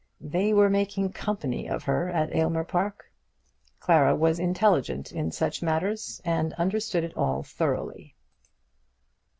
They were making company of her at Aylmer Park! Clara was intelligent in such matters, and understood it all thoroughly.